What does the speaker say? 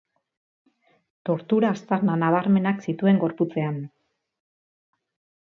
Tortura aztarna nabarmenak zituen gorputzean.